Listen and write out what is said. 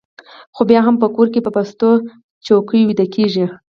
خو بیا هم په کور کې په پستو څوکیو ویده کېږي